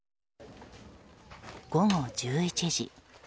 午後１１時。